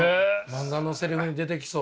漫画のセリフに出てきそうな。